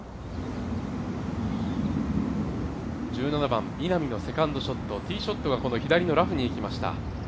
１７番、稲見のセカンドショット、ティーショットが左のラフにいきました。